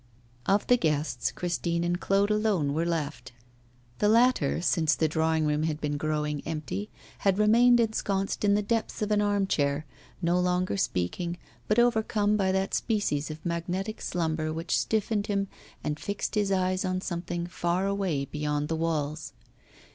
Of the guests Christine and Claude alone were left. The latter, since the drawing room had been growing empty, had remained ensconced in the depths of an arm chair, no longer speaking, but overcome by that species of magnetic slumber which stiffened him, and fixed his eyes on something far away beyond the walls.